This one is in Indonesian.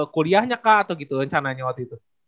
kuliahnya kah atau gitu rencananya waktu itu